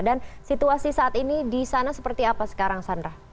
dan situasi saat ini di sana seperti apa sekarang sandra